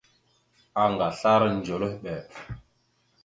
Anga aslara ndzœlœhɓer.